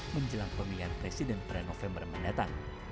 menjelang pemilihan presiden pada november mendatang